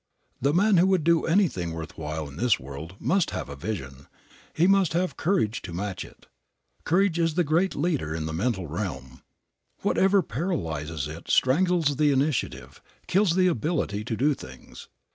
The man who would do anything worth while in this world must have a vision, and he must have courage to match it. Courage is the great leader in the mental realm. Whatever paralyzes it strangles the initiative, kills the ability to do things.